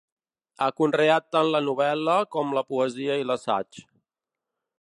Ha conreat tant la novel·la com la poesia i l'assaig.